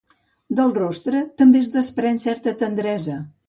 Del rostre també es desprèn certa tendresa.